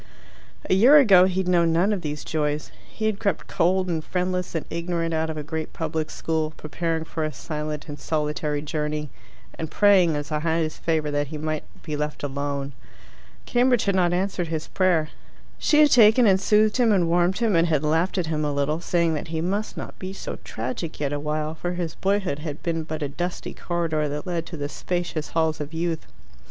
A year ago he had known none of these joys. He had crept cold and friendless and ignorant out of a great public school, preparing for a silent and solitary journey, and praying as a highest favour that he might be left alone. Cambridge had not answered his prayer. She had taken and soothed him, and warmed him, and had laughed at him a little, saying that he must not be so tragic yet awhile, for his boyhood had been but a dusty corridor that led to the spacious halls of youth.